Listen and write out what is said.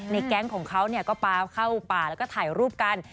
แก๊งของเขาก็ปลาเข้าป่าแล้วก็ถ่ายรูปกัน